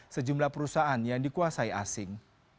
sejumlah perusahaan yang dikuasai asing